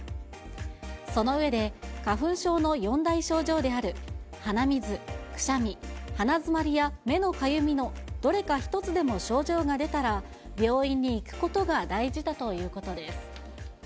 その上で、花粉症の四大症状である鼻水、くしゃみ、鼻詰まりや目のかゆみのどれか１つでも症状が出たら、病院に行くことが大事だということです。